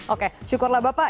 oke syukurlah bapak